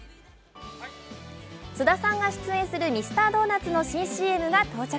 菅田さんが出演するミスタードーナツの新ＣＭが到着。